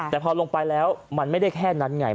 แต่พอลงไปแล้วมันไม่ได้แค่นั้นไง